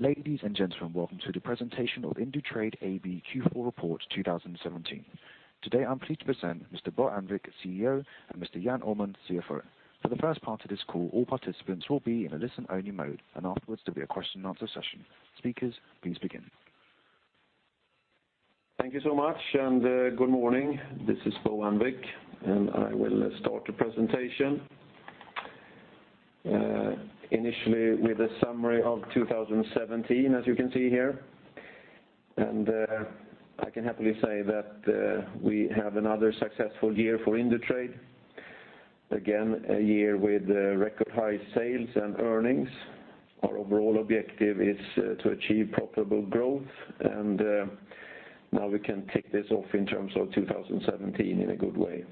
Ladies and gentlemen, welcome to the presentation of Indutrade AB Q4 Report 2017. Today, I am pleased to present Mr. Bo Annvik, CEO, and Mr. Jan Öhman, CFO. For the first part of this call, all participants will be in a listen-only mode, and afterwards, there will be a question and answer session. Speakers, please begin. Thank you so much, and good morning. This is Bo Annvik, and I will start the presentation initially with a summary of 2017 as you can see here. I can happily say that we have another successful year for Indutrade. Again, a year with record high sales and earnings. Our overall objective is to achieve profitable growth, and now we can tick this off in terms of 2017 in a good way.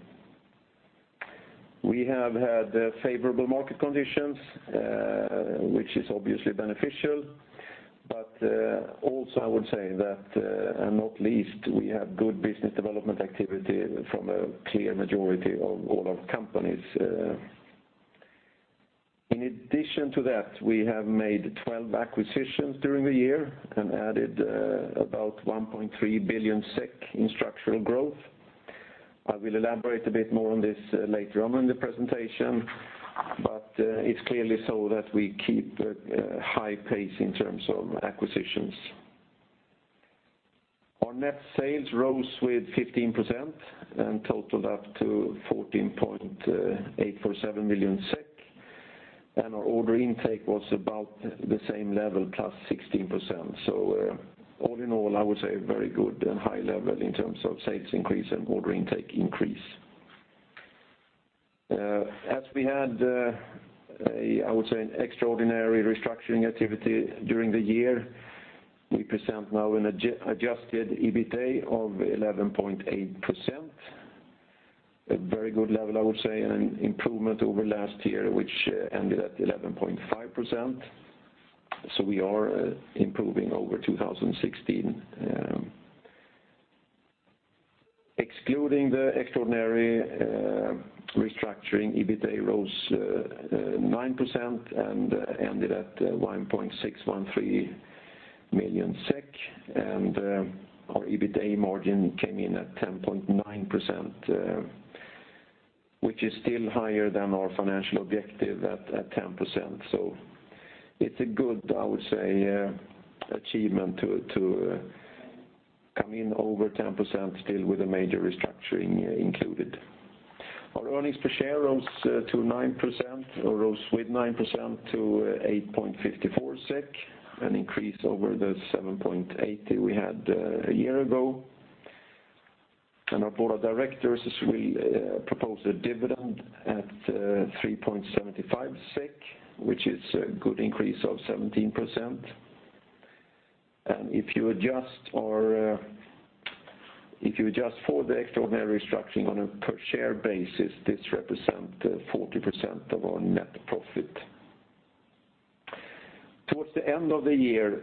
We have had favorable market conditions, which is obviously beneficial, also I would say that, not least, we have good business development activity from a clear majority of all our companies. In addition to that, we have made 12 acquisitions during the year and added about 1.3 billion SEK in structural growth. I will elaborate a bit more on this later on in the presentation, but it is clearly so that we keep a high pace in terms of acquisitions. Our net sales rose with 15% and totaled up to 14,847 million SEK, and our order intake was about the same level, plus 16%. All in all, I would say very good and high level in terms of sales increase and order intake increase. As we had, I would say an extraordinary restructuring activity during the year, we present now an adjusted EBITA of 11.8%. A very good level, I would say, and an improvement over last year, which ended at 11.5%, we are improving over 2016. Excluding the extraordinary restructuring, EBITA rose 9% and ended at 1,613 million SEK. Our EBITA margin came in at 10.9%, which is still higher than our financial objective at 10%, it is a good achievement to come in over 10% still with a major restructuring included. Our earnings per share rose with 9% to 8.54 SEK, an increase over the 7.80 we had a year ago. Our board of directors will propose a dividend at 3.75 SEK, which is a good increase of 17%. If you adjust for the extraordinary restructuring on a per share basis, this represent 40% of our net profit. Towards the end of the year,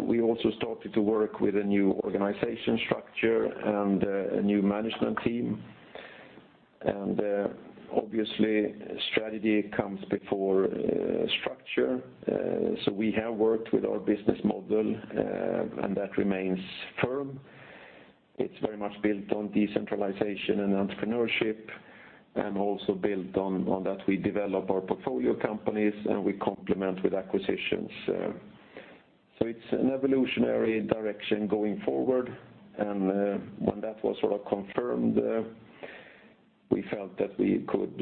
we also started to work with a new organization structure and a new management team, obviously strategy comes before structure, we have worked with our business model, that remains firm. It is very much built on decentralization and entrepreneurship and also built on that we develop our portfolio companies, and we complement with acquisitions. It is an evolutionary direction going forward, and when that was confirmed, we felt that we could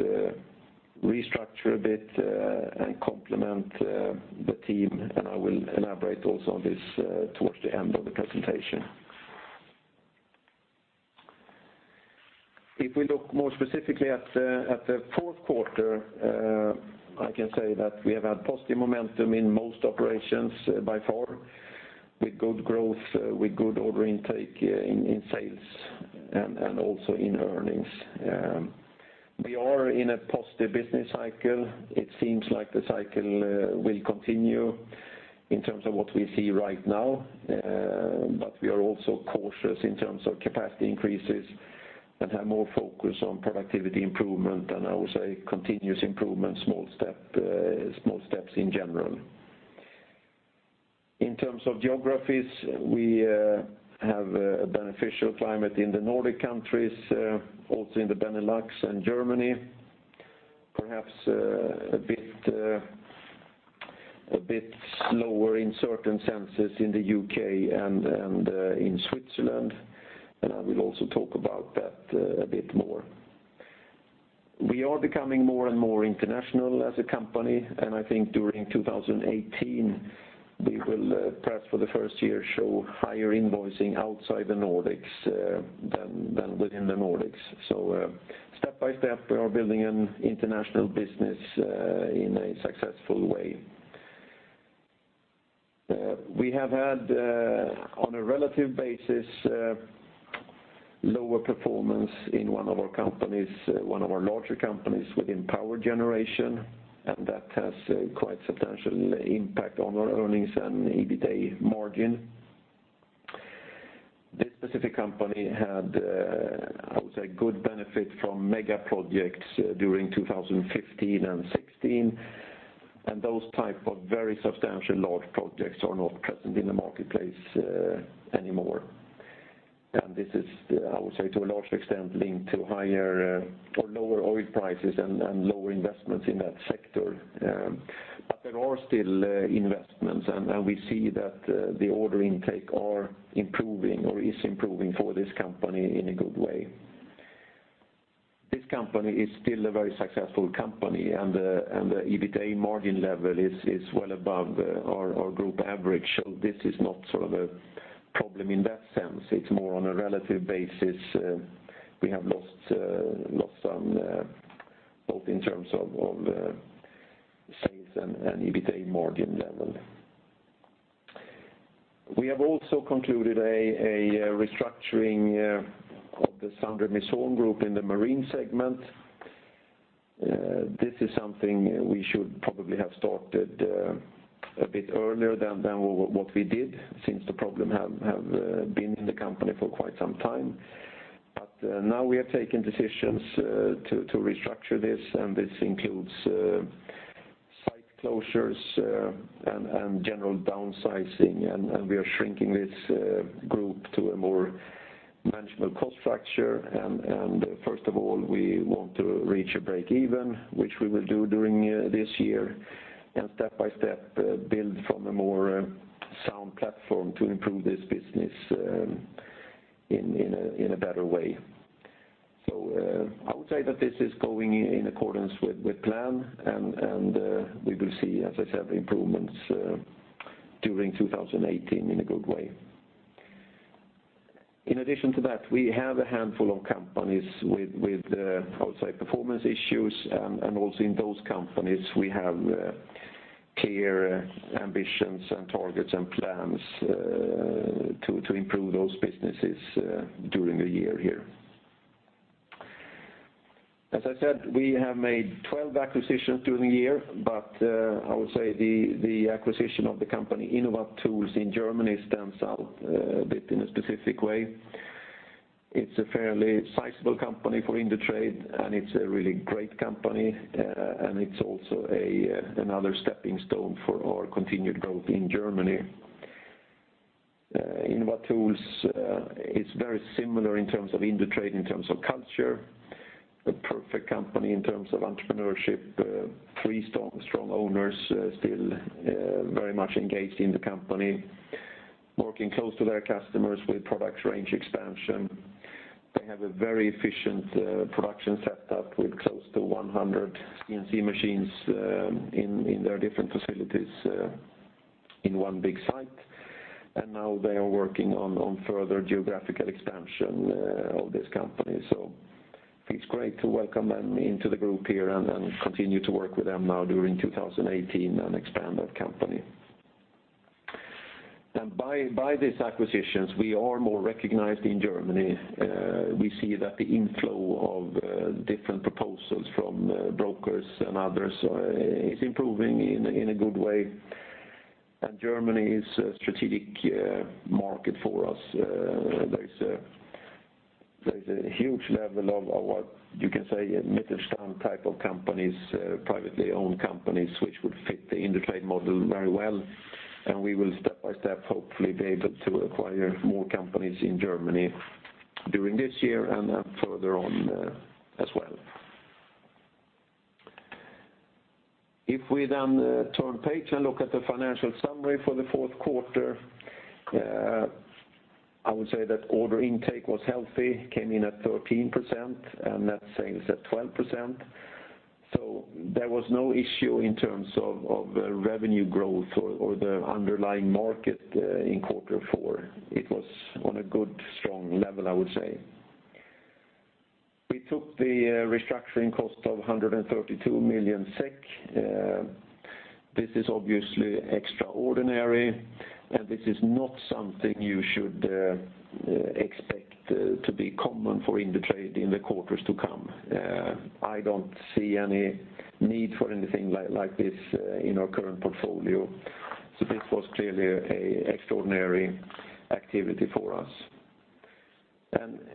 restructure a bit and complement the team, and I will elaborate also on this towards the end of the presentation. If we look more specifically at the fourth quarter, I can say that we have had positive momentum in most operations by far with good growth, with good order intake in sales, and also in earnings. We are in a positive business cycle. It seems like the cycle will continue in terms of what we see right now, we are also cautious in terms of capacity increases and have more focus on productivity improvement and I would say continuous improvement, small steps in general. In terms of geographies, we have a beneficial climate in the Nordic countries, also in the Benelux and Germany. Perhaps a bit slower in certain senses in the U.K. and in Switzerland, and I will also talk about that a bit more. We are becoming more and more international as a company, and I think during 2018, we will perhaps for the first year show higher invoicing outside the Nordics than within the Nordics. Step by step, we are building an international business in a successful way. We have had, on a relative basis, lower performance in one of our larger companies within power generation, and that has quite substantial impact on our earnings and EBITA margin. This specific company had, I would say, good benefit from mega projects during 2015 and 2016, and those type of very substantial large projects are not present in the marketplace anymore. This is, I would say to a large extent, linked to lower oil prices and lower investments in that sector. There are still investments, and we see that the order intake are improving or is improving for this company in a good way. This company is still a very successful company, and the EBITA margin level is well above our group average. This is not a problem in that sense. It is more on a relative basis. We have lost some both in terms of sales and EBITA margin level. We have also concluded a restructuring of the Sander Meson group in the marine segment. This is something we should probably have started a bit earlier than what we did, since the problem have been in the company for quite some time. Now we have taken decisions to restructure this, and this includes site closures and general downsizing, and we are shrinking this group to a more manageable cost structure. First of all, we want to reach a break even, which we will do during this year, and step by step, build from a more sound platform to improve this business in a better way. I would say that this is going in accordance with plan and we will see, as I said, improvements during 2018 in a good way. In addition to that, we have a handful of companies with, I would say, performance issues, and also in those companies, we have clear ambitions and targets and plans to improve those businesses during the year here. As I said, we have made 12 acquisitions during the year, but I would say the acquisition of the company Inovatools in Germany stands out a bit in a specific way. It is a fairly sizable company for Indutrade, and it is a really great company, and it is also another stepping stone for our continued growth in Germany. Inovatools is very similar in terms of Indutrade, in terms of culture, a perfect company in terms of entrepreneurship, three strong owners still very much engaged in the company, working close to their customers with product range expansion. They have a very efficient production set up with close to 100 CNC machines in their different facilities in one big site. And now they are working on further geographical expansion of this company. It is great to welcome them into the group here and then continue to work with them now during 2018 and expand that company. By these acquisitions, we are more recognized in Germany. We see that the inflow of different proposals from brokers and others is improving in a good way. Germany is a strategic market for us. There is a huge level of what you can say, Mittelstand type of companies, privately owned companies, which would fit the Indutrade model very well, and we will step by step, hopefully be able to acquire more companies in Germany during this year and then further on as well. Turn page and look at the financial summary for the fourth quarter, I would say that order intake was healthy, came in at 13%, and that sales at 12%. So there was no issue in terms of revenue growth or the underlying market in quarter four. It was on a good, strong level, I would say. We took the restructuring cost of 132 million SEK. This is obviously extraordinary, and this is not something you should expect to be common for Indutrade in the quarters to come. I do not see any need for anything like this in our current portfolio. So this was clearly a extraordinary activity for us.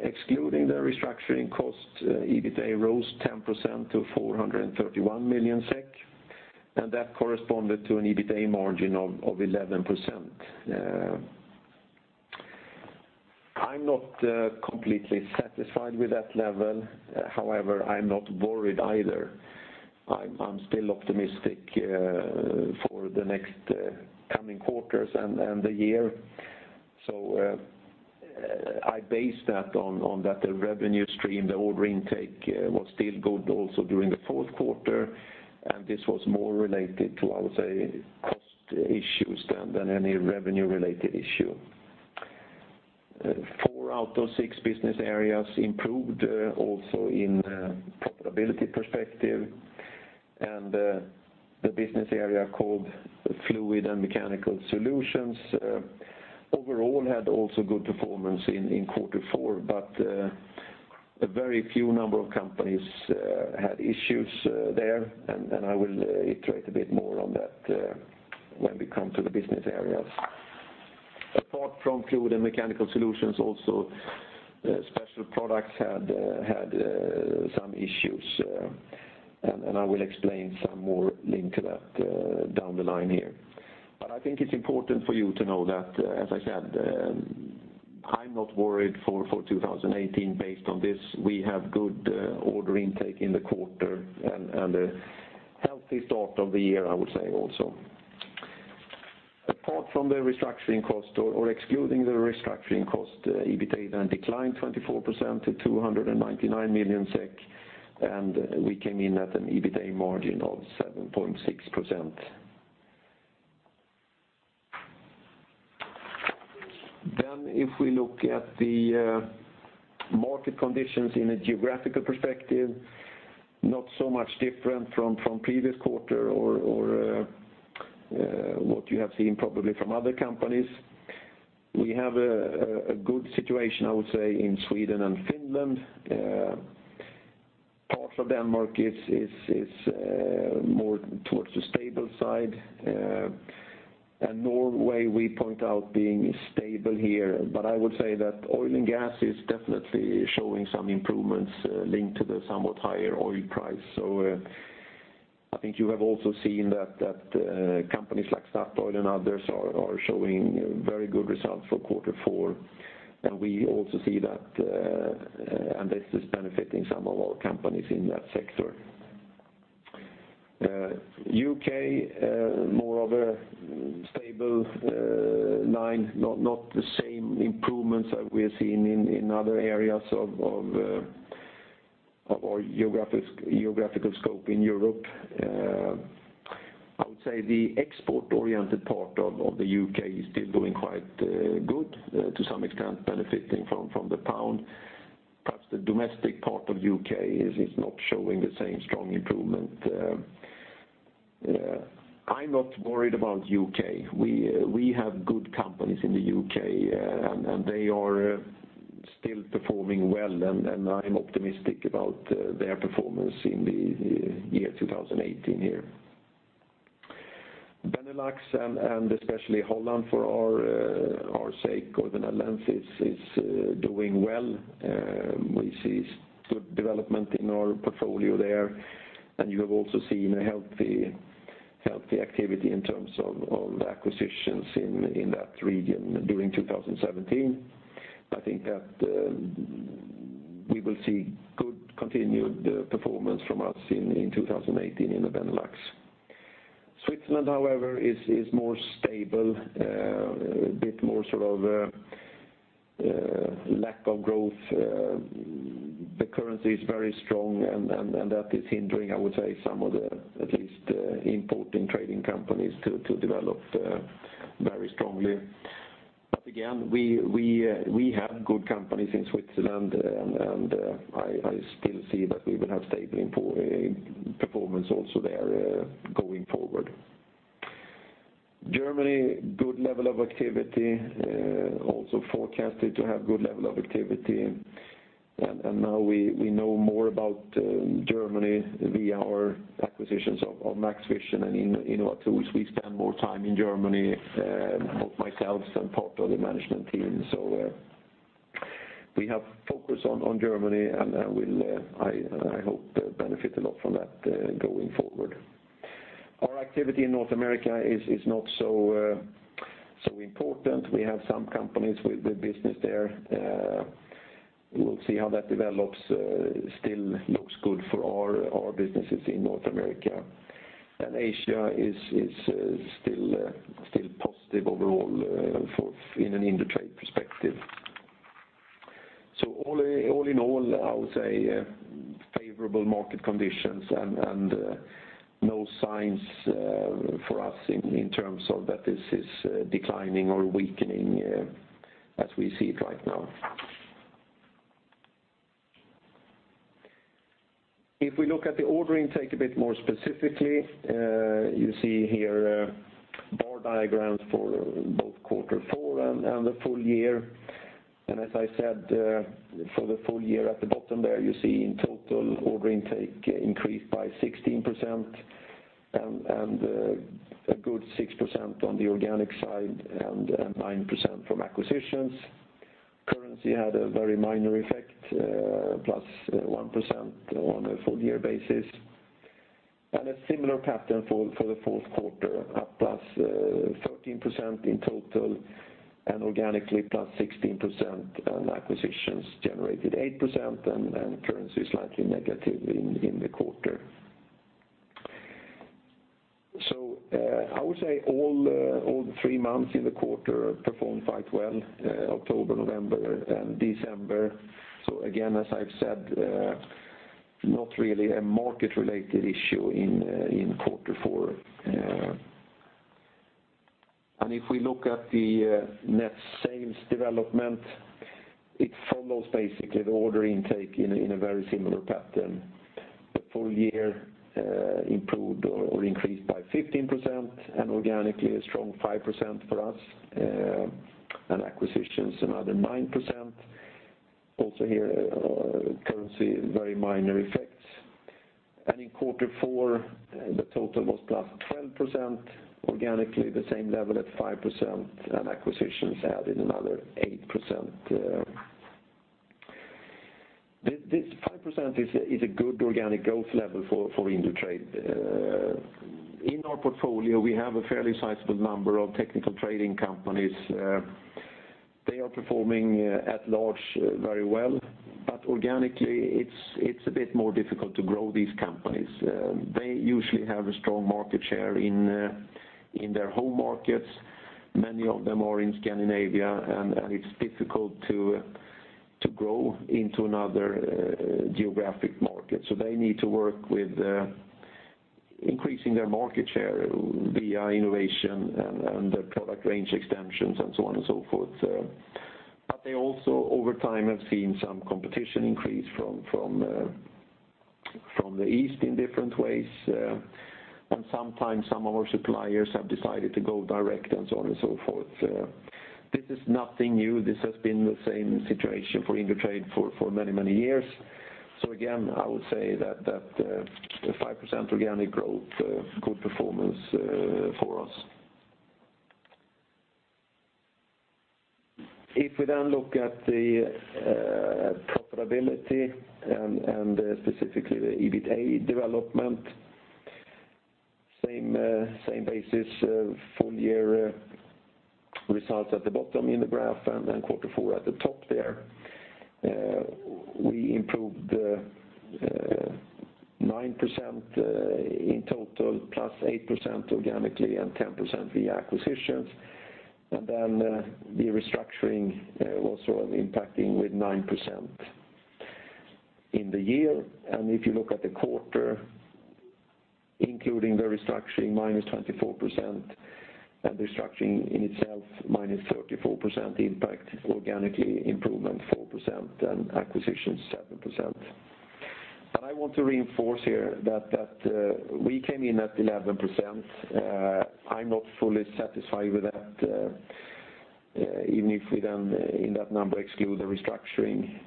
Excluding the restructuring cost, EBITA rose 10% to 431 million SEK, and that corresponded to an EBITA margin of 11%. I am not completely satisfied with that level. However, I am not worried either. I am still optimistic for the next coming quarters and the year. I base that on the revenue stream, the order intake was still good also during the fourth quarter, and this was more related to, I would say, cost issues than any revenue-related issue. Four out of six business areas improved also in profitability perspective, and the business area called Fluids & Mechanical Solutions overall had also good performance in quarter four, but a very few number of companies had issues there, and I will iterate a bit more on that when we come to the business areas. Apart from Fluids & Mechanical Solutions, Special Products also had some issues, and I will explain some more link to that down the line here. But I think it is important for you to know that, as I said, I am not worried for 2018 based on this. We have good order intake in the quarter and a healthy start of the year, I would say also. Apart from the restructuring cost or excluding the restructuring cost, EBITA then declined 24% to 299 million SEK, and we came in at an EBITA margin of 7.6%. If we look at the market conditions in a geographical perspective, not so much different from previous quarter or what you have seen probably from other companies. We have a good situation, I would say, in Sweden and Finland. Parts of Denmark is more towards the stable side. Norway, we point out being stable here, but I would say that oil and gas is definitely showing some improvements linked to the somewhat higher oil price. I think you have also seen that companies like Statoil and others are showing very good results for quarter four. We also see that this is benefiting some of our companies in that sector. U.K., more of a stable line, not the same improvements that we are seeing in other areas of our geographical scope in Europe. I would say the export-oriented part of the U.K. is still doing quite good to some extent benefiting from the pound. Perhaps the domestic part of U.K. is not showing the same strong improvement. I'm not worried about U.K. We have good companies in the U.K., and they are still performing well, and I'm optimistic about their performance in the year 2018 here. Benelux, and especially Holland for our sake, or the Netherlands, is doing well. We see good development in our portfolio there, and you have also seen a healthy activity in terms of acquisitions in that region during 2017. I think that we will see good continued performance from us in 2018 in the Benelux. Switzerland, however, is more stable, a bit more sort of lack of growth. The currency is very strong, and that is hindering, I would say, some of the, at least, importing trading companies to develop very strongly. Again, we have good companies in Switzerland, and I still see that we will have stable performance also there going forward. Germany, good level of activity, also forecasted to have good level of activity. Now we know more about Germany via our acquisitions of MaxxVision and Inovatools. We spend more time in Germany, both myself and part of the management team. We have focus on Germany, and I hope to benefit a lot from that going forward. Our activity in North America is not so important. We have some companies with the business there. We'll see how that develops. Still looks good for our businesses in North America. Asia is still positive overall in an Indutrade perspective. All in all, I would say favorable market conditions and no signs for us in terms of that this is declining or weakening as we see it right now. If we look at the order intake a bit more specifically, you see here bar diagrams for both quarter four and the full year. As I said, for the full year, at the bottom there, you see in total order intake increased by 16%, and a good 6% on the organic side and 9% from acquisitions. Currency had a very minor effect, plus 1% on a full-year basis. A similar pattern for the fourth quarter, up +13% in total and organically +16%, and acquisitions generated 8%, and currency slightly negative in the quarter. I would say all three months in the quarter performed quite well, October, November, and December. Again, as I have said, not really a market-related issue in Q4. If we look at the net sales development, it follows basically the order intake in a very similar pattern. The full year improved or increased by 15%, and organically a strong 5% for us, and acquisitions another 9%. Also here, currency, very minor effects. In Q4, the total was +12%, organically the same level at 5%, and acquisitions added another 8%. This 5% is a good organic growth level for Indutrade. In our portfolio, we have a fairly sizable number of technical trading companies. They are performing at large very well, organically, it is a bit more difficult to grow these companies. They usually have a strong market share in their home markets. Many of them are in Scandinavia, and it is difficult to grow into another geographic market. They need to work with increasing their market share via innovation and product range extensions and so on and so forth. They also, over time, have seen some competition increase from the East in different ways. Sometimes some of our suppliers have decided to go direct and so on and so forth. This is nothing new. This has been the same situation for Indutrade for many, many years. Again, I would say that the 5% organic growth, good performance for us. If we look at the profitability and specifically the EBITA development, same basis, full year results at the bottom in the graph, Q4 at the top there. We improved 9% in total, +8% organically and 10% via acquisitions. The restructuring also impacting with 9% in the year. If you look at the quarter, including the restructuring -24%, and restructuring in itself -34% impact organically, improvement 4%, and acquisitions 7%. I want to reinforce here that we came in at 11%. I am not fully satisfied with that, even if we then, in that number, exclude the restructuring.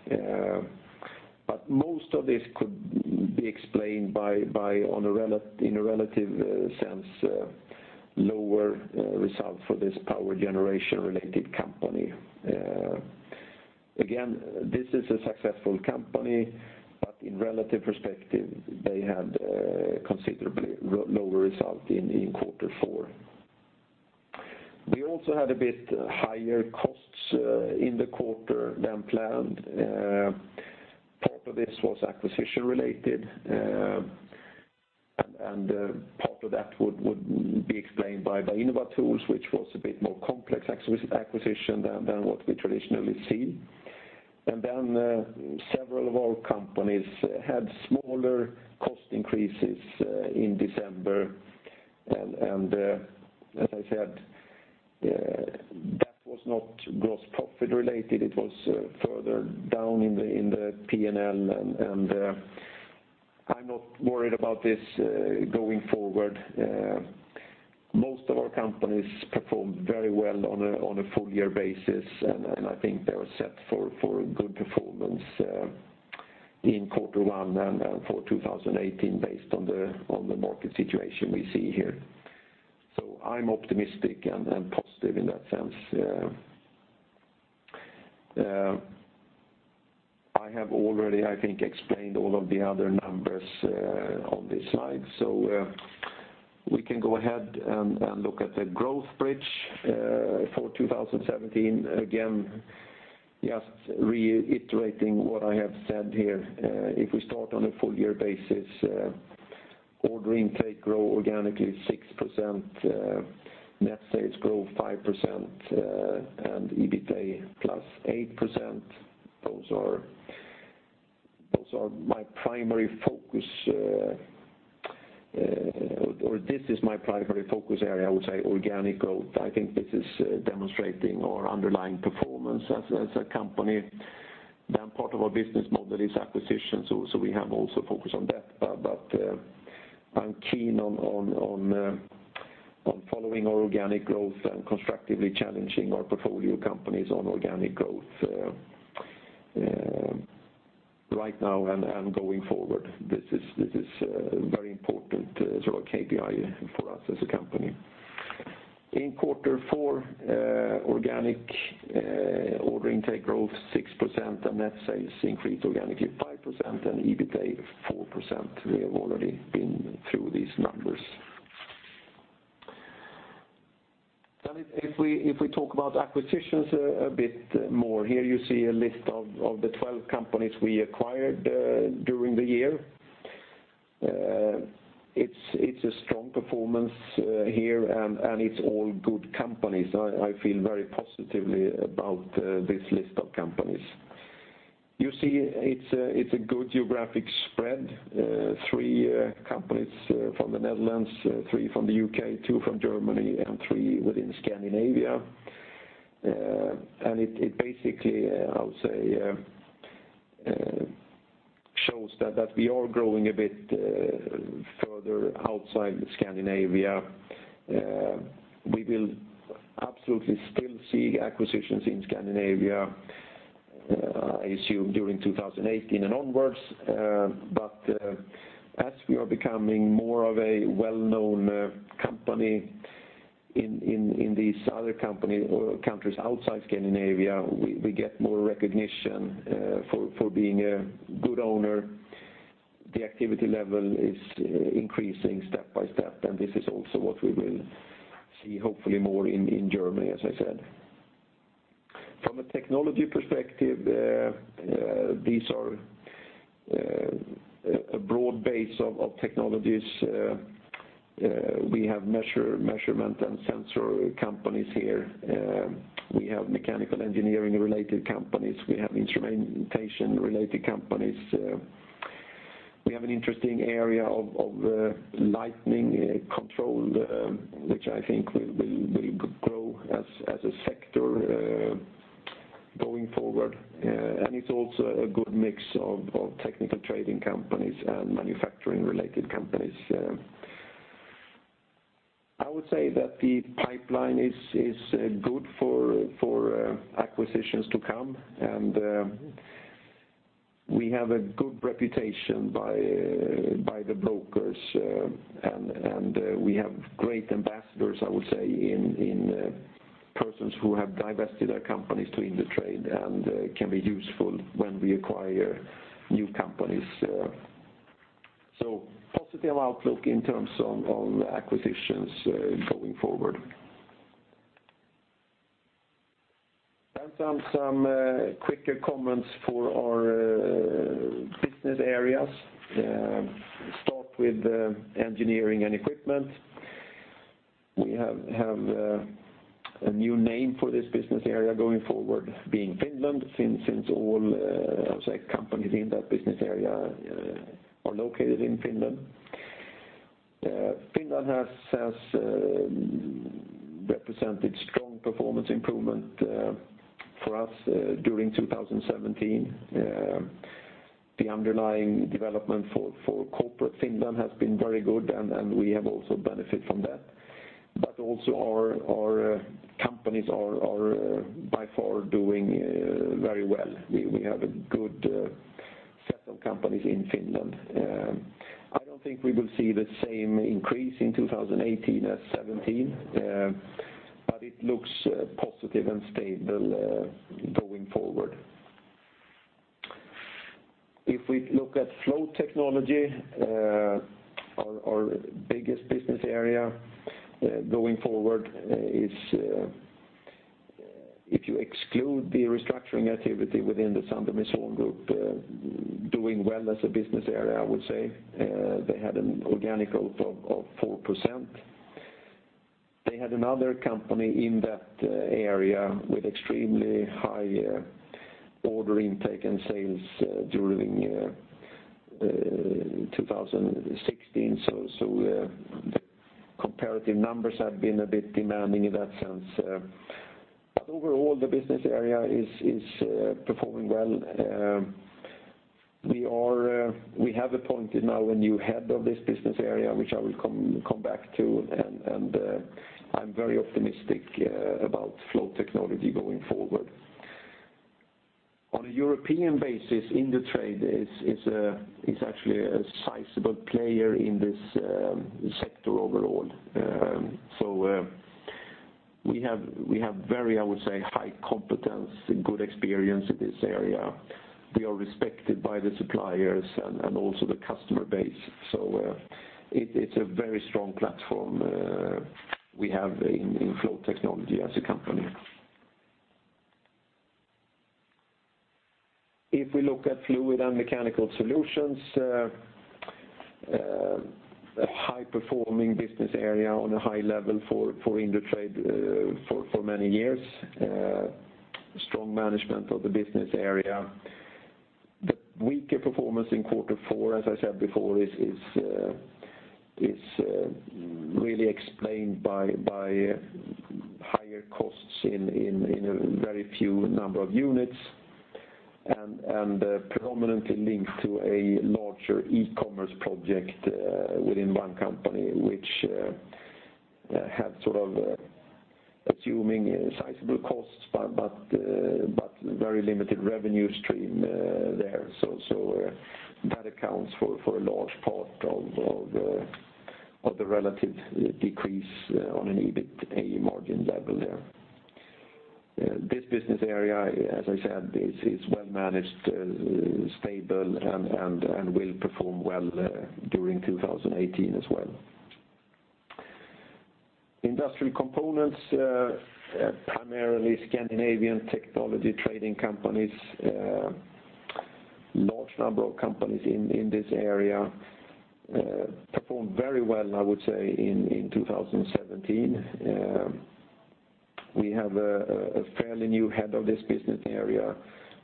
Most of this could be explained by, in a relative sense, lower result for this power generation-related company. Again, this is a successful company, but in relative perspective, they had a considerably lower result in Q4. We also had a bit higher costs in the quarter than planned. Part of this was acquisition-related, and part of that would be explained by Inovatools, which was a bit more complex acquisition than what we traditionally see. Several of our companies had smaller cost increases in December. As I said, that was not gross profit related. It was further down in the P&L, and I am not worried about this going forward. Most of our companies performed very well on a full-year basis, and I think they were set for a good performance in Q1 and for 2018 based on the market situation we see here. I am optimistic and positive in that sense. I have already, I think, explained all of the other numbers on this slide. We can go ahead and look at the growth bridge for 2017. Reiterating what I have said here. Order intake grew organically 6%, net sales grew 5%, and EBITA +8%. This is my primary focus area, I would say, organic growth. I think this is demonstrating our underlying performance as a company. Part of our business model is acquisition, so we have also focused on that. I'm keen on following our organic growth and constructively challenging our portfolio companies on organic growth right now and going forward. This is a very important sort of KPI for us as a company. In Q4, organic order intake grew 6%, net sales increased organically 5%, and EBITA 4%. We have already been through these numbers. If we talk about acquisitions a bit more, here you see a list of the 12 companies we acquired during the year. It's a strong performance here, and it's all good companies. I feel very positively about this list of companies. You see it's a good geographic spread. Three companies from the Netherlands, three from the U.K., two from Germany, and three within Scandinavia. It basically shows that we are growing a bit further outside Scandinavia. We will absolutely still see acquisitions in Scandinavia, I assume during 2018 and onwards. As we are becoming more of a well-known company in these other countries outside Scandinavia, we get more recognition for being a good owner. The activity level is increasing step by step, and this is also what we will see hopefully more in Germany, as I said. From a technology perspective, these are a broad base of technologies. We have measurement and sensor companies here. We have mechanical engineering-related companies. We have instrumentation-related companies. We have an interesting area of lightning control, which I think will grow as a sector going forward, and it's also a good mix of technical trading companies and manufacturing-related companies. I would say that the pipeline is good for acquisitions to come, and we have a good reputation by the brokers, and we have great ambassadors in persons who have divested their companies to Indutrade and can be useful when we acquire new companies. Positive outlook in terms of acquisitions going forward. Some quicker comments for our business areas. Start with Engineering & Equipment. We have a new name for this business area going forward, being Finland, since all companies in that business area are located in Finland. Finland has represented strong performance improvement for us during 2017. The underlying development for corporate Finland has been very good, and we have also benefited from that. Also our companies are by far doing very well. We have a good set of companies in Finland. I don't think we will see the same increase in 2018 as 2017, but it looks positive and stable going forward. If we look at Flow Technology, our biggest business area going forward is, if you exclude the restructuring activity within the Sander Meson group, doing well as a business area, I would say. They had an organic growth of 4%. They had another company in that area with extremely high order intake and sales during 2016, so the comparative numbers have been a bit demanding in that sense. Overall, the business area is performing well. We have appointed now a new head of this business area, which I will come back to, I'm very optimistic about Flow Technology going forward. On a European basis, Indutrade is actually a sizable player in this sector overall. We have very high competence and good experience in this area. We are respected by the suppliers and also the customer base. It's a very strong platform we have in Flow Technology as a company. If we look at Fluids & Mechanical Solutions, a high-performing business area on a high level for Indutrade for many years. Strong management of the business area. The weaker performance in Q4, as I said before, is really explained by higher costs in a very few number of units and predominantly linked to a larger e-commerce project within one company, which had sort of assuming sizable costs, but very limited revenue stream there. That accounts for a large part of the relative decrease on an EBITA margin level there. This business area, as I said, is well managed, stable and will perform well during 2018 as well. Industrial Components, primarily Scandinavian technology trading companies. Large number of companies in this area performed very well in 2017. We have a fairly new head of this business area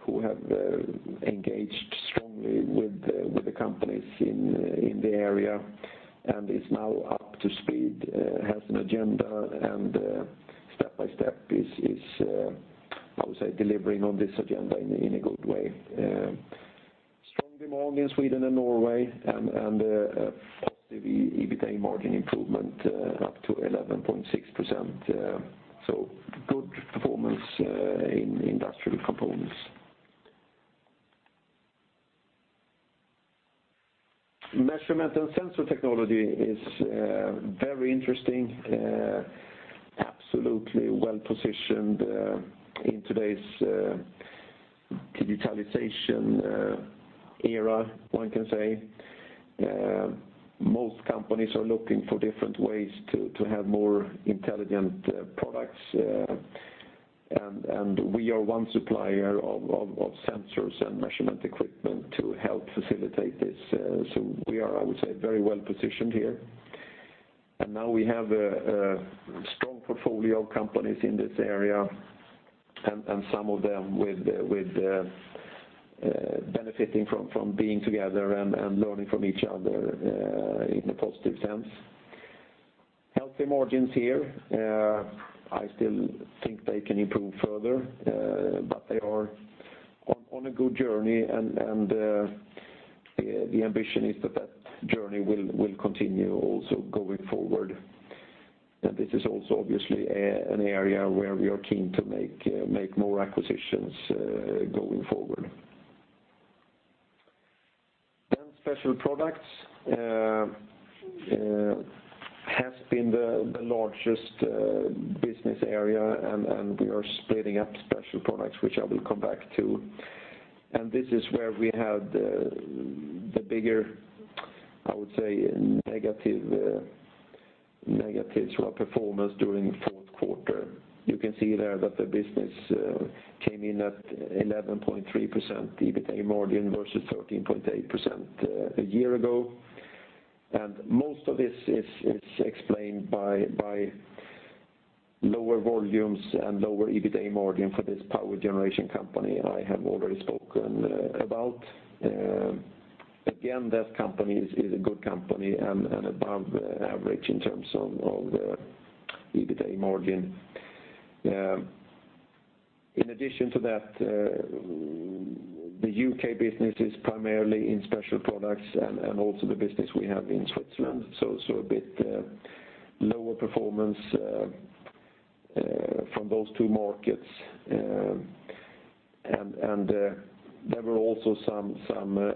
who have engaged strongly with the companies in the area and is now up to speed, has an agenda, and step by step is delivering on this agenda in a good way. Strong demand in Sweden and Norway, a positive EBITA margin improvement up to 11.6%. Good performance in Industrial Components. Measurement & Sensor Technology is very interesting. Absolutely well-positioned in today's digitalization era, one can say. Most companies are looking for different ways to have more intelligent products, we are one supplier of sensors and measurement equipment to help facilitate this. We are, I would say, very well-positioned here. Now we have a strong portfolio of companies in this area, some of them with benefiting from being together and learning from each other in a positive sense. Healthy margins here. I still think they can improve further, but they are on a good journey, the ambition is that journey will continue also going forward. This is also obviously an area where we are keen to make more acquisitions going forward. Special Products has been the largest business area, we are splitting up Special Products, which I will come back to. This is where we had the bigger, I would say, negative performance during the fourth quarter. You can see there that the business came in at 11.3% EBITA margin versus 13.8% a year ago. Most of this is explained by lower volumes and lower EBITA margin for this power generation company I have already spoken about. Again, that company is a good company and above average in terms of the EBITA margin. In addition to that, the U.K. business is primarily in Special Products and also the business we have in Switzerland, a bit lower performance from those two markets. There were also some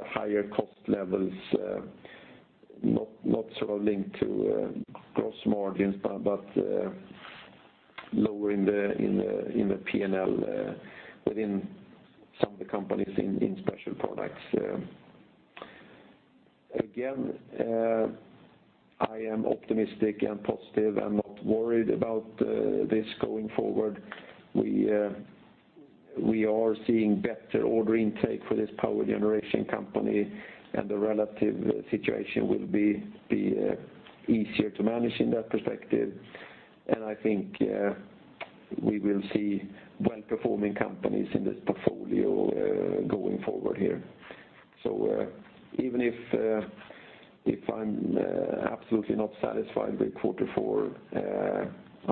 higher cost levels, not linked to gross margins, but lower in the P&L within some of the companies in Special Products. Again, I am optimistic and positive and not worried about this going forward. We are seeing better order intake for this power generation company, the relative situation will be easier to manage in that perspective. We will see well-performing companies in this portfolio going forward here. Even if I'm absolutely not satisfied with quarter four,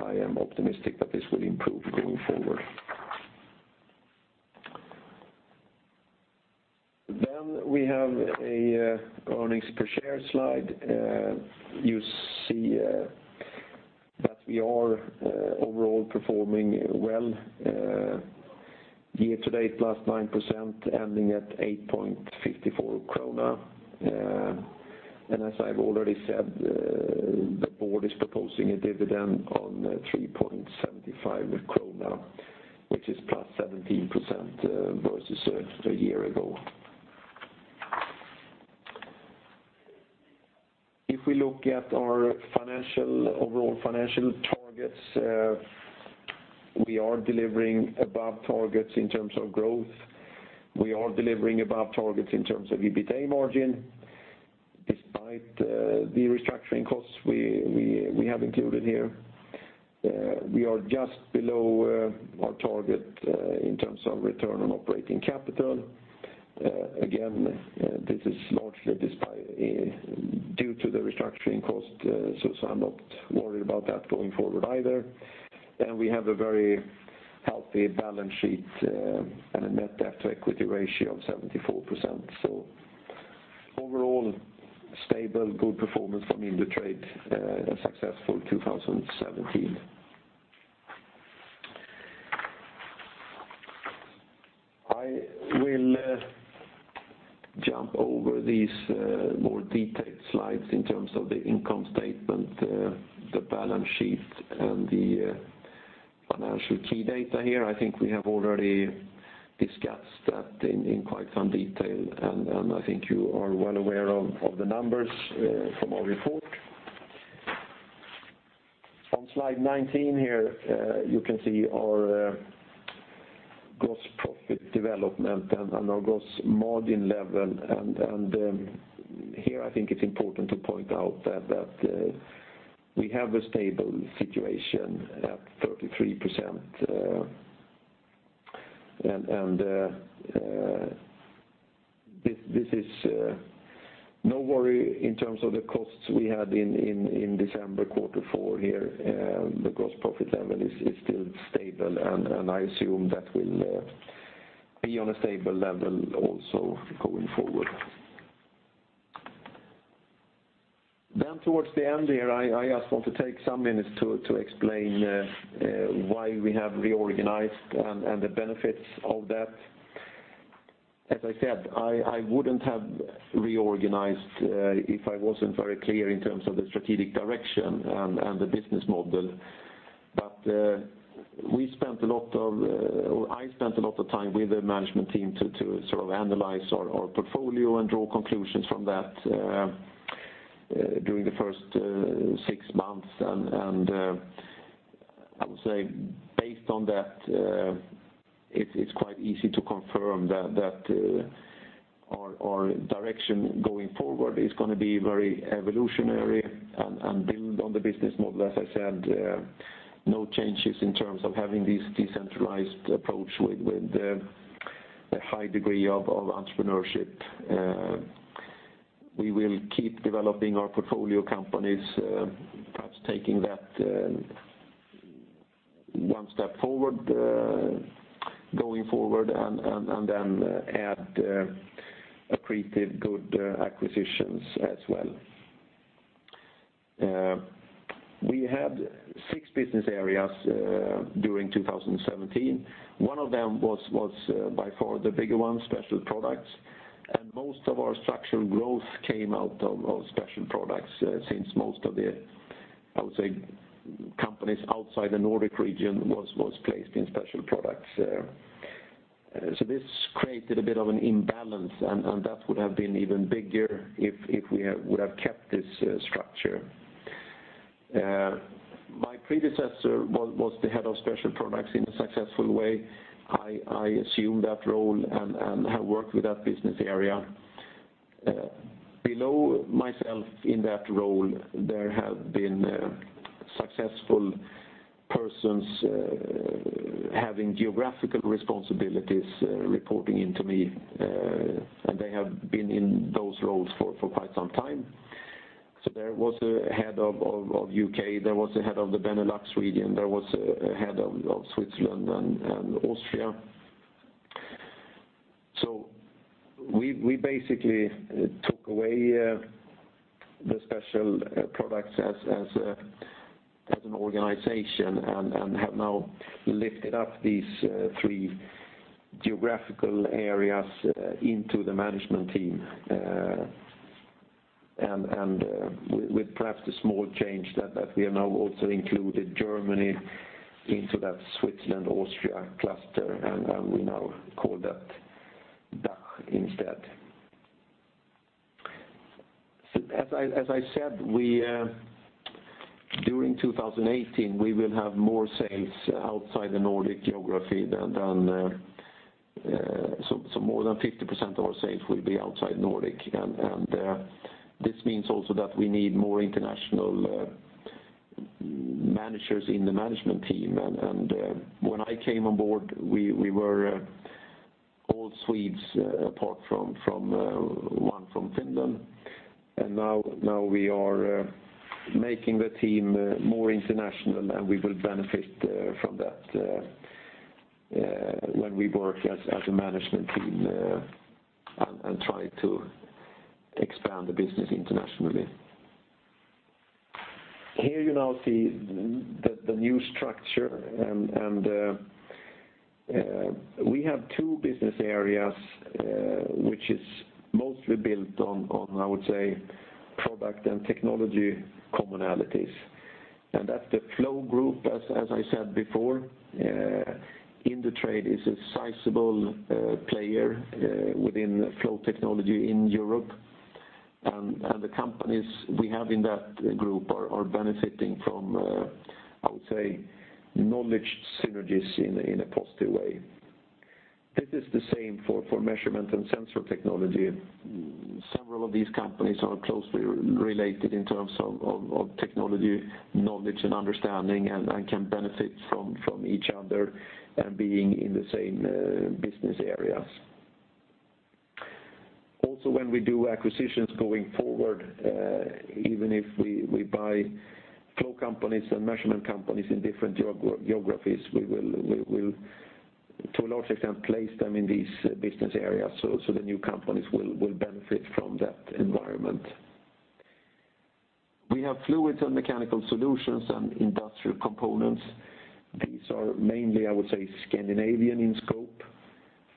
I am optimistic that this will improve going forward. We have an earnings per share slide. You see that we are overall performing well year to date, +9%, ending at 8.54 krona. As I've already said, the board is proposing a dividend on 3.75, which is +17% versus a year ago. If we look at our overall financial targets, we are delivering above targets in terms of growth. We are delivering above targets in terms of EBITA margin, despite the restructuring costs we have included here. We are just below our target in terms of return on operating capital. Again, this is largely due to the restructuring cost, so I'm not worried about that going forward either. We have a very healthy balance sheet and a net debt to equity ratio of 74%. Overall, stable, good performance from Indutrade, a successful 2017. I will jump over these more detailed slides in terms of the income statement, the balance sheet, and the financial key data here. I think we have already discussed that in quite some detail, and I think you are well aware of the numbers from our report. On slide 19 here, you can see our gross profit development and our gross margin level. Here I think it's important to point out that we have a stable situation at 33%, and this is no worry in terms of the costs we had in December quarter four here. The gross profit level is still stable, and I assume that will be on a stable level also going forward. Towards the end here, I just want to take some minutes to explain why we have reorganized and the benefits of that. As I said, I wouldn't have reorganized if I wasn't very clear in terms of the strategic direction and the business model. I spent a lot of time with the management team to analyze our portfolio and draw conclusions from that during the first six months, and I would say based on that, it's quite easy to confirm that our direction going forward is going to be very evolutionary and build on the business model. As I said, no changes in terms of having this decentralized approach with a high degree of entrepreneurship. We will keep developing our portfolio companies, perhaps taking that one step forward, going forward, and then add accretive, good acquisitions as well. We had six business areas during 2017. One of them was by far the bigger one, Special Products, and most of our structural growth came out of Special Products since most of the, I would say, companies outside the Nordic region was placed in Special Products. This created a bit of an imbalance, and that would have been even bigger if we would have kept this structure. My predecessor was the head of Special Products in a successful way. I assumed that role and have worked with that business area. Below myself in that role, there have been successful persons having geographical responsibilities reporting into me, and they have been in those roles for quite some time. There was a head of U.K., there was a head of the Benelux region, there was a head of Switzerland and Austria. We basically took away the Special Products as an organization and have now lifted up these three geographical areas into the management team, and with perhaps the small change that we have now also included Germany into that Switzerland-Austria cluster, and we now call that DACH instead. As I said, during 2018, we will have more sales outside the Nordic geography, more than 50% of our sales will be outside Nordic. This means also that we need more international managers in the management team. When I came on board, we were all Swedes apart from one from Finland. Now we are making the team more international, and we will benefit from that when we work as a management team and try to expand the business internationally. Here you now see the new structure. We have two business areas which is mostly built on, I would say, product and technology commonalities. That's the Flow group, as I said before, Indutrade is a sizable player within flow technology in Europe. The companies we have in that group are benefiting from, I would say, knowledge synergies in a positive way. This is the same for Measurement & Sensor Technology. Several of these companies are closely related in terms of technology, knowledge and understanding, and can benefit from each other and being in the same business areas. When we do acquisitions going forward, even if we buy flow companies and measurement companies in different geographies, we will to a large extent place them in these business areas, so the new companies will benefit from that environment. We have Fluids & Mechanical Solutions and Industrial Components. These are mainly, I would say, Scandinavian in scope,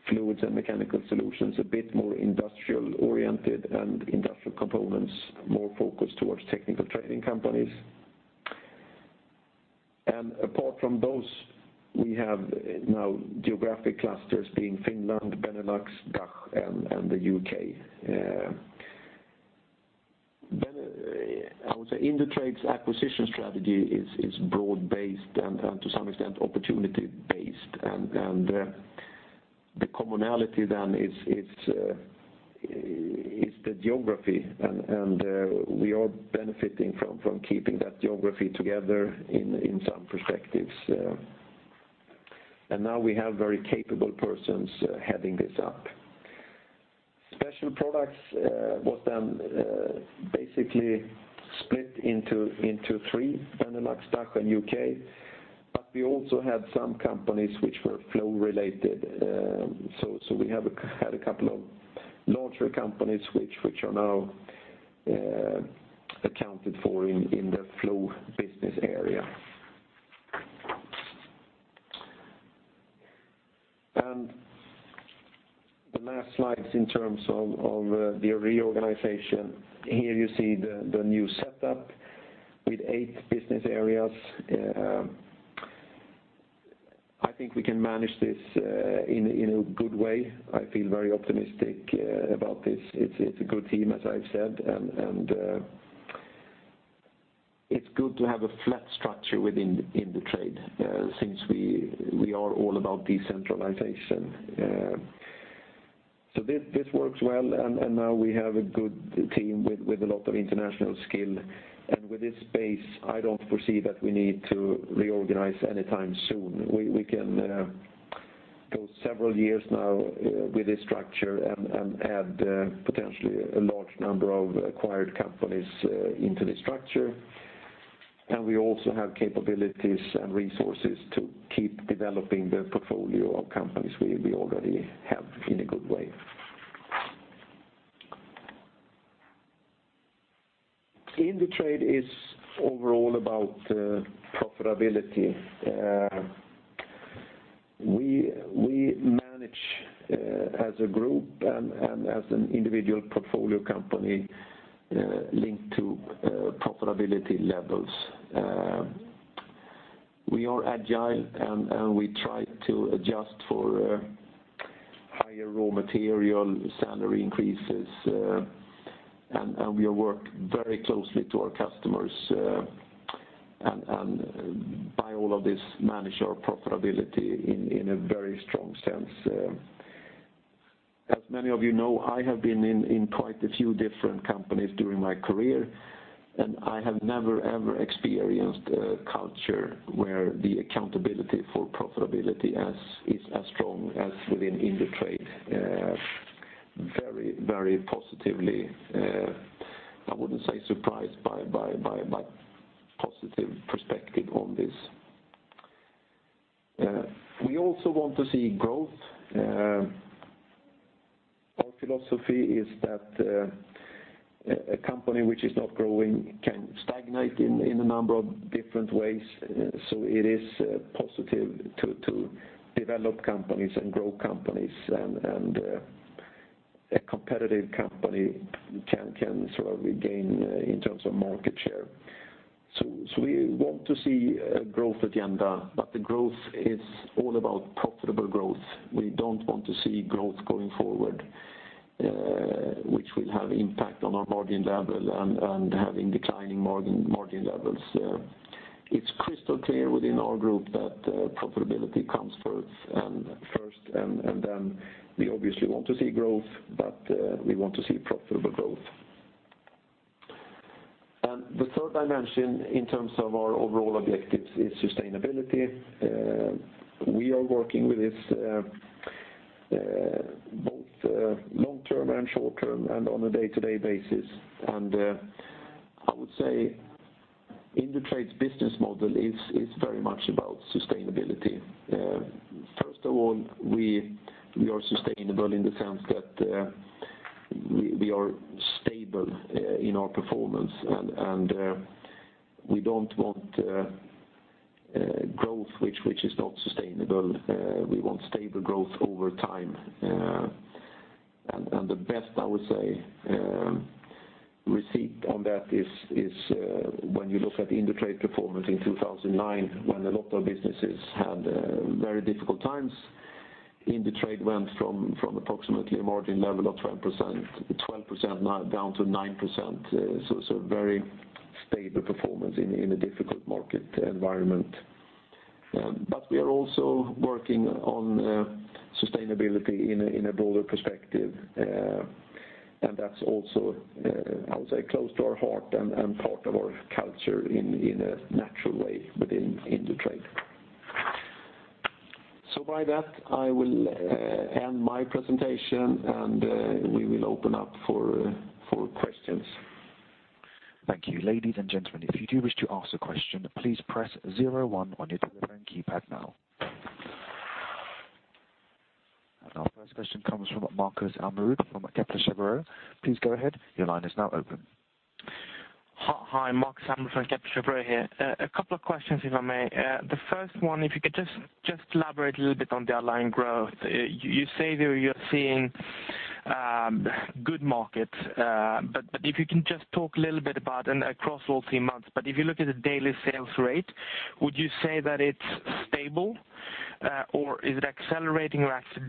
Fluids & Mechanical Solutions, a bit more industrial-oriented and Industrial Components, more focused towards technical trading companies. Apart from those, we have now geographic clusters being Finland, Benelux, DACH, and the U.K. I would say Indutrade's acquisition strategy is broad-based and to some extent opportunity based. The commonality then is the geography, and we are benefiting from keeping that geography together in some perspectives. Now we have very capable persons heading this up. Special Products was then basically split into three, Benelux, DACH, and the U.K., but we also had some companies which were flow-related. We have had a couple of larger companies which are now accounted for in the Flow business area. The last slides in terms of the reorganization. Here you see the new setup with eight business areas. I think we can manage this in a good way. I feel very optimistic about this. It's a good team, as I've said, and it's good to have a flat structure within Indutrade, since we are all about decentralization. This works well, and now we have a good team with a lot of international skill. With this space, I don't foresee that we need to reorganize anytime soon. We can go several years now with this structure and add potentially a large number of acquired companies into the structure. We also have capabilities and resources to keep developing the portfolio of companies we already have in a good way. Indutrade is overall about profitability. We manage as a group and as an individual portfolio company linked to profitability levels. We are agile, and we try to adjust for higher raw material, salary increases, and we work very closely to our customers, and by all of this, manage our profitability in a very strong sense. As many of you know, I have been in quite a few different companies during my career, and I have never, ever experienced a culture where the accountability for profitability is as strong as within Indutrade. Very positively, I wouldn't say surprised, but positive perspective on this. We also want to see growth. Our philosophy is that a company which is not growing can stagnate in a number of different ways. It is positive to develop companies and grow companies, and a competitive company can gain in terms of market share. We want to see a growth agenda, but the growth is all about profitable growth. We don't want to see growth going forward, which will have impact on our margin level and having declining margin levels. It's crystal clear within our group that profitability comes first, then we obviously want to see growth, but we want to see profitable growth. The third dimension in terms of our overall objectives is sustainability. We are working with this both long-term and short-term, and on a day-to-day basis, and I would say Indutrade's business model is very much about sustainability. First of all, we are sustainable in the sense that we are stable in our performance, and we don't want growth which is not sustainable. We want stable growth over time. The best, I would say, receipt on that is when you look at Indutrade performance in 2009, when a lot of businesses had very difficult times, Indutrade went from approximately a margin level of 12% down to 9%, so very stable performance in a difficult market environment. We are also working on sustainability in a broader perspective, and that's also, I would say, close to our heart and part of our culture in a natural way within Indutrade. By that, I will end my presentation, and we will open up for questions. Thank you. Ladies and gentlemen, if you do wish to ask a question, please press 01 on your telephone keypad now. Our first question comes from Marcus Almud from Kepler Cheuvreux. Please go ahead, your line is now open. Hi, Marcus Almud from Kepler Cheuvreux here. A couple of questions, if I may. The first one, if you could just elaborate a little bit on the underlying growth. You say that you're seeing good markets, if you can just talk a little bit about, and across all three months, but if you look at the daily sales rate, would you say that it's stable, or is it accelerating or actually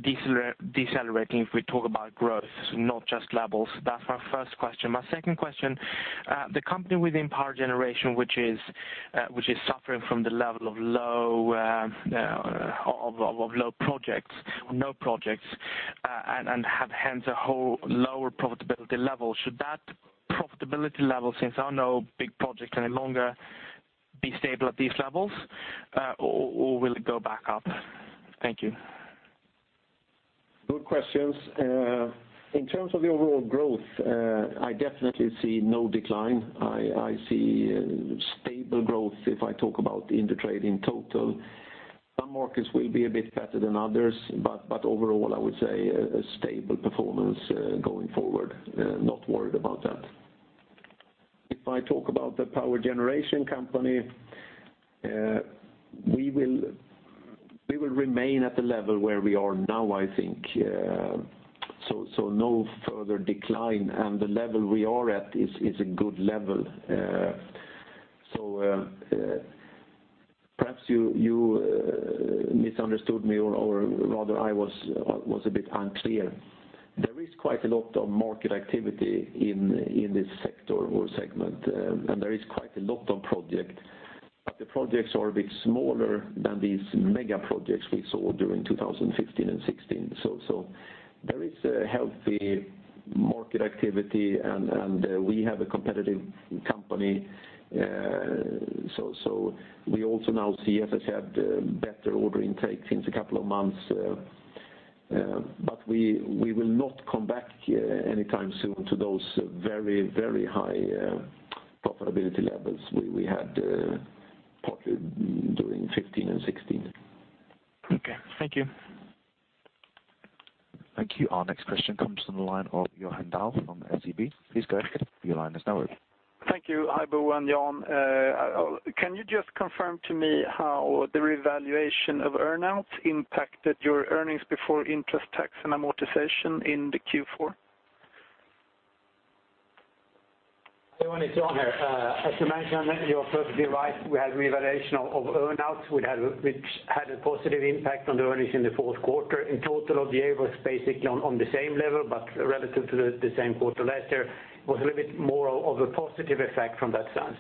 decelerating if we talk about growth, not just levels? That's my first question. My second question, the company within power generation, which is suffering from the level of low projects or no projects, and have hence a whole lower profitability level, should that profitability level since I know big projects can no longer be stable at these levels, or will it go back up? Thank you. Good questions. In terms of the overall growth, I definitely see no decline. I see stable growth if I talk about Indutrade in total. Some markets will be a bit better than others, but overall, I would say a stable performance going forward. Not worried about that. If I talk about the power generation company, we will remain at the level where we are now, I think. No further decline, and the level we are at is a good level. Perhaps you misunderstood me, or rather I was a bit unclear. There is quite a lot of market activity in this sector or segment, and there is quite a lot of projects, but the projects are a bit smaller than these mega projects we saw during 2015 and 2016. There is a healthy market activity, and we have a competitive company. We also now see, as I said, better order intake since a couple of months. We will not come back anytime soon to those very high profitability levels we had partly during 2015 and 2016. Okay. Thank you. Thank you. Our next question comes from the line of Johan Dahl from SEB. Please go ahead. Your line is now open. Thank you. Hi, Bo and Jan. Can you just confirm to me how the revaluation of earn-outs impacted your earnings before interest, tax, and amortization in the Q4? Bo, it's Jan here. As you mentioned, you're perfectly right, we had a revaluation of earn-outs, which had a positive impact on the earnings in the fourth quarter. In total, the EA was basically on the same level, but relative to the same quarter last year, it was a little bit more of a positive effect from that sense.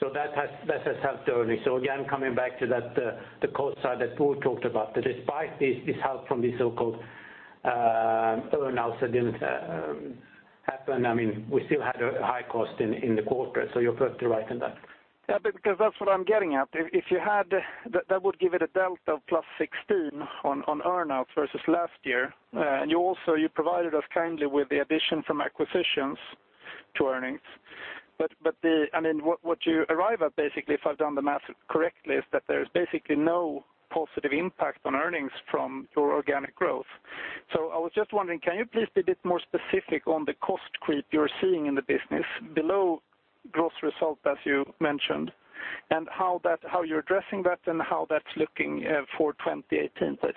That has helped the earnings. Again, coming back to the cost side that Bo talked about, that despite this help from the so-called earn-outs that didn't happen, we still had a high cost in the quarter. You're perfectly right in that. Because that's what I'm getting at. That would give it a delta of +16 on earn-outs versus last year. You also provided us kindly with the addition from acquisitions to earnings. What you arrive at, basically, if I've done the math correctly, is that there's basically no positive impact on earnings from your organic growth. I was just wondering, can you please be a bit more specific on the cost creep you're seeing in the business below gross result, as you mentioned, and how you're addressing that and how that's looking for 2018, please?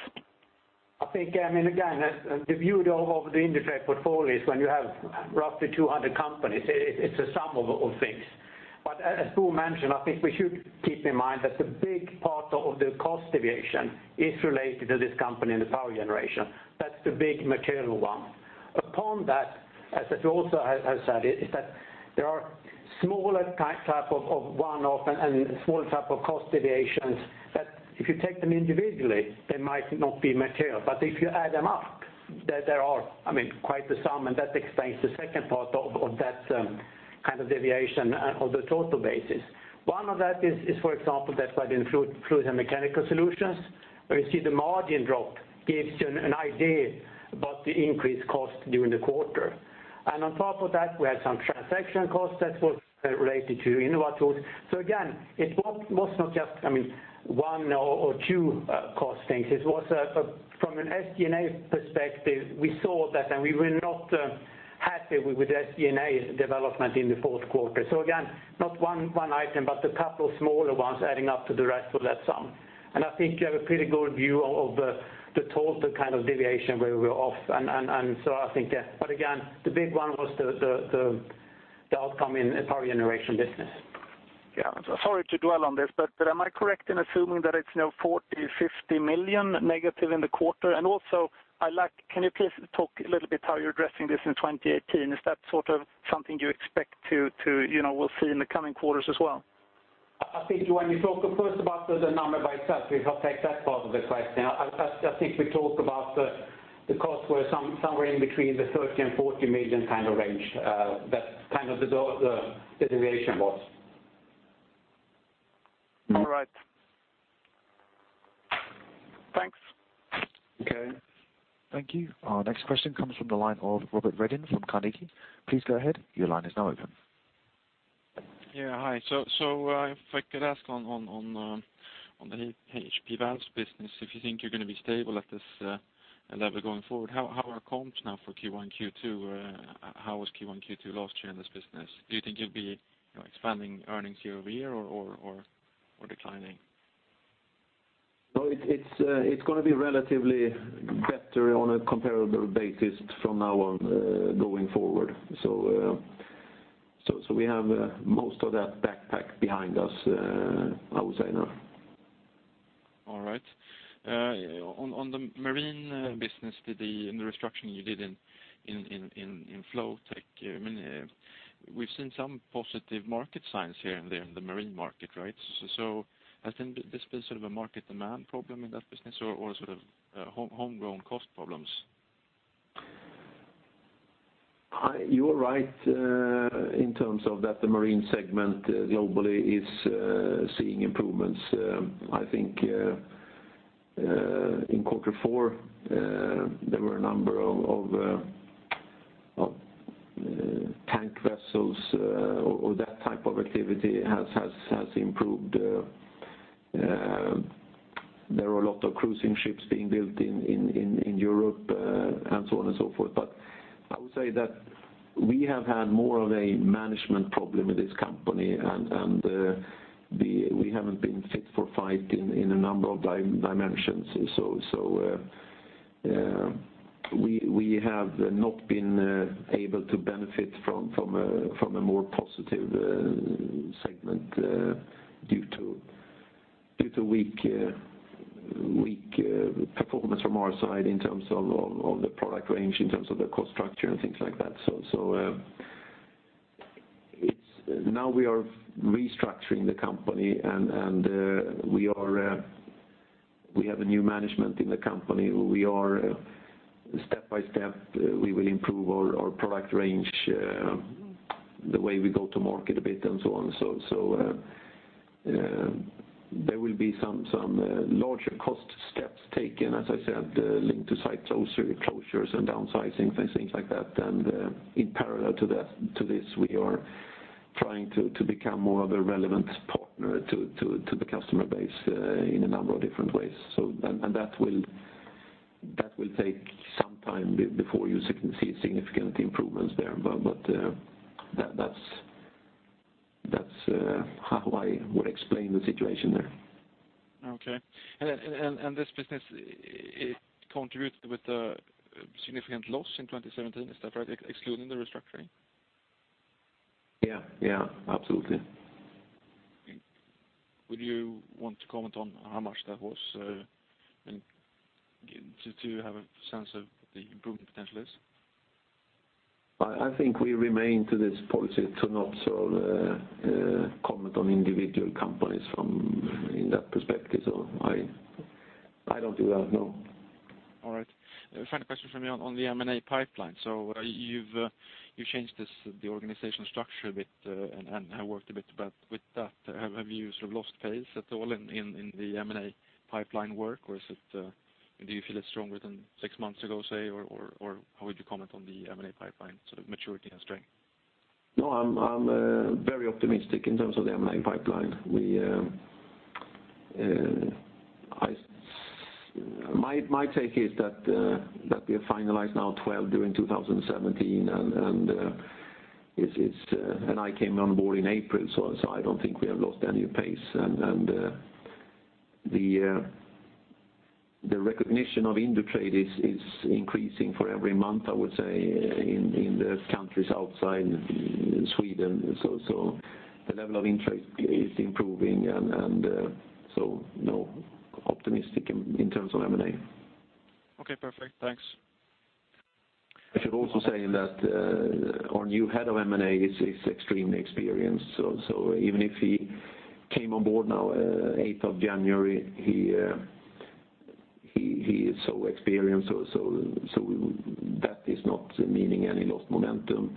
Again, the view of the Indutrade portfolio is when you have roughly 200 companies, it's a sum of things. As Bo mentioned, I think we should keep in mind that a big part of the cost deviation is related to this company in the power generation. Upon that, as I also have said, is that there are smaller type of one-off and small type of cost deviations that if you take them individually, they might not be material, but if you add them up, there are quite a sum, and that explains the second part of that kind of deviation on the total basis. One of that is, for example, that's why in Fluids & Mechanical Solutions, where we see the margin drop gives you an idea about the increased cost during the quarter. On top of that, we had some transaction costs that were related to Inovatools. Again, it was not just one or two cost things. From an SG&A perspective, we saw that and we were not happy with SG&A's development in the fourth quarter. Again, not one item, but a couple of smaller ones adding up to the rest of that sum. I think you have a pretty good view of the total kind of deviation where we're off. Again, the big one was the outcome in power generation business. Sorry to dwell on this, am I correct in assuming that it's now 40 million-50 million negative in the quarter? Also, can you please talk a little bit how you're addressing this in 2018? Is that something you expect we'll see in the coming quarters as well? When you talk first about the number by itself, if I take that part of the question, I think we talked about the cost were somewhere in between the 30 million and 40 million range. That's the deviation was. All right. Thanks. Okay. Thank you. Our next question comes from the line of Robert Redin from Carnegie. Please go ahead. Your line is now open. Hi. If I could ask on the HP Valves business, if you think you're going to be stable at this level going forward, how are comps now for Q1, Q2? How was Q1, Q2 last year in this business? Do you think you'll be expanding earnings year-over-year or declining? It's going to be relatively better on a comparable basis from now on going forward. We have most of that backpack behind us, I would say now. On the marine business, in the restructuring you did in Flowtech, we've seen some positive market signs here and there in the marine market, right? Hasn't this been a market demand problem in that business or homegrown cost problems? You are right in terms of that the marine segment globally is seeing improvements. I think in quarter four, there were a number of tank vessels or that type of activity has improved. There are a lot of cruising ships being built in Europe, and so on and so forth. I would say that we have had more of a management problem with this company, and we haven't been fit for fight in a number of dimensions. We have not been able to benefit from a more positive segment due to weak performance from our side in terms of the product range, in terms of the cost structure and things like that. Now we are restructuring the company, and we have a new management in the company. Step by step, we will improve our product range, the way we go to market a bit, and so on. There will be some larger cost steps taken, as I said, linked to site closures and downsizing and things like that. In parallel to this, we are trying to become more of a relevant partner to the customer base in a number of different ways. That will take some time before you can see significant improvements there. That's how I would explain the situation there. Okay. This business, it contributed with a significant loss in 2017, is that right? Excluding the restructuring. Yeah, absolutely. Would you want to comment on how much that was? Do you have a sense of what the improvement potential is? I think we remain to this policy to not comment on individual companies in that perspective, so I don't do that, no. All right. Final question from me on the M&A pipeline. You've changed the organizational structure a bit and have worked a bit, but with that, have you lost pace at all in the M&A pipeline work, or do you feel it's stronger than six months ago, say, or how would you comment on the M&A pipeline maturity and strength? No, I'm very optimistic in terms of the M&A pipeline. My take is that we have finalized now 12 during 2017, and I came on board in April, so I don't think we have lost any pace. The recognition of Indutrade is increasing for every month, I would say, in the countries outside Sweden. The level of interest is improving and no, optimistic in terms of M&A. Okay, perfect. Thanks. I should also say that our new head of M&A is extremely experienced. Even if he came on board now 8th of January, he is so experienced, so that is not meaning any lost momentum.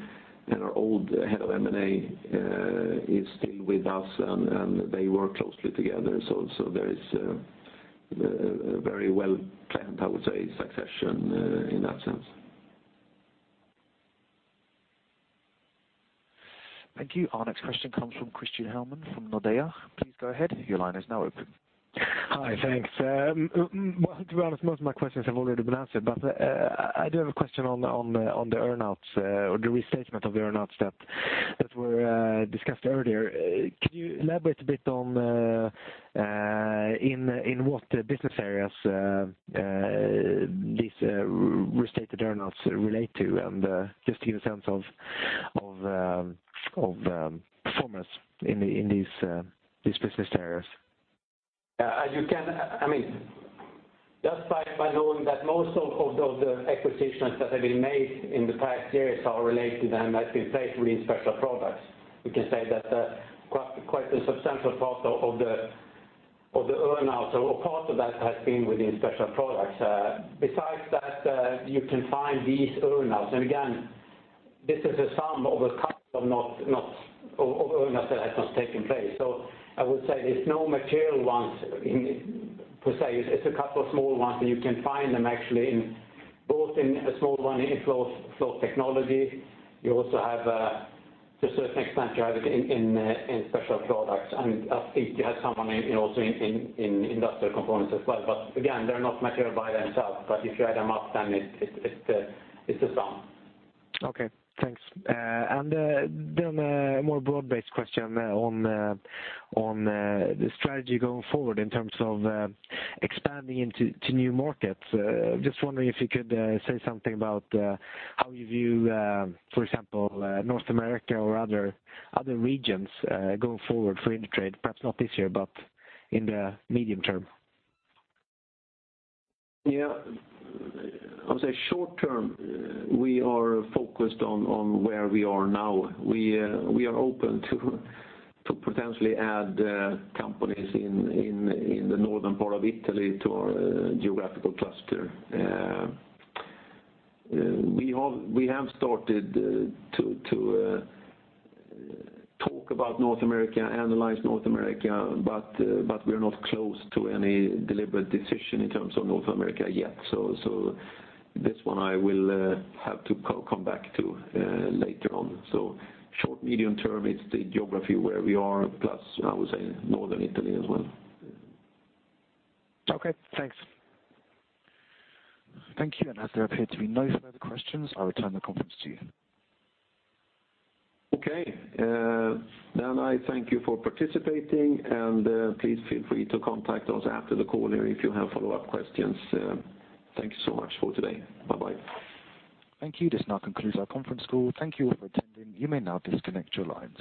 Our old head of M&A is still with us, and they work closely together. There is a very well-planned, I would say, succession in that sense. Thank you. Our next question comes from Christian Hellman from Nordea. Please go ahead. Your line is now open. Hi, thanks. Well, to be honest, most of my questions have already been answered, I do have a question on the earn-outs or the restatement of the earn-outs that were discussed earlier. Could you elaborate a bit on in what business areas these restated earn-outs relate to and just to give a sense of performance in these business areas? Just by knowing that most of the acquisitions that have been made in the past years are related and have been safely in Special Products, we can say that quite a substantial part of the earn-outs or part of that has been within Special Products. Besides that, you can find these earn-outs, and again, this is a sum of earn-outs that have not taken place. I would say there's no material ones per se. It's a couple of small ones, and you can find them actually both in a small one in Flow Technology. You also have to a certain extent, you have it in Special Products, and I think you have some also in Industrial Components as well. Again, they're not material by themselves, but if you add them up, then it's a sum. Okay, thanks. Then a more broad-based question on the strategy going forward in terms of expanding into new markets. Just wondering if you could say something about how you view for example North America or other regions going forward for Indutrade, perhaps not this year, but in the medium term. Yes. I would say short term, we are focused on where we are now. We are open to potentially add companies in the northern part of Italy to our geographical cluster. We have started to talk about North America, analyze North America, but we're not close to any deliberate decision in terms of North America yet. This one I will have to come back to later on. Short, medium term, it's the geography where we are, plus, I would say, northern Italy as well. Okay. Thanks. Thank you. As there appear to be no further questions, I'll return the conference to you. Okay. I thank you for participating, and please feel free to contact us after the call if you have follow-up questions. Thank you so much for today. Bye-bye. Thank you. This now concludes our conference call. Thank you all for attending. You may now disconnect your lines.